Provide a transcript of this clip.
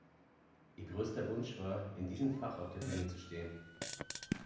Ihr größter Wunsch war, in diesem Fach auf der Bühne zu stehen.